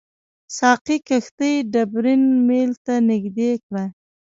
ساقي کښتۍ ډبرین میل ته نږدې کړه.